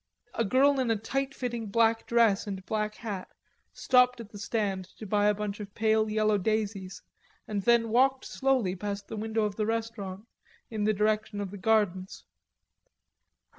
A girl in a tight fitting black dress and black hat stopped at the stand to buy a bunch of pale yellow daisies, and then walked slowly past the window of the restaurant in the direction of the gardens.